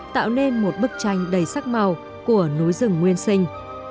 tạo nên một bức tranh đầy sắc màu của núi rừng nguyên sinh